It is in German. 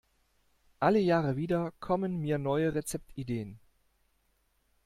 Alle Jahre wieder kommen mir neue Rezeptideen.